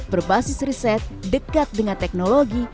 berbasis riset dekat dengan teknologi